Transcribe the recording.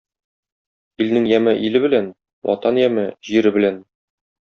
Илнең яме иле белән, ватан яме җире белән.